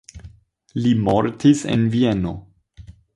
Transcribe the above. Li mortis en Vieno.